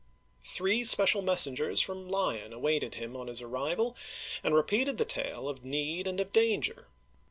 Three special messengers from Lyon awaited him on his arrival, and repeated the tale of need and of danger.